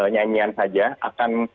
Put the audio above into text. nyanyian saja akan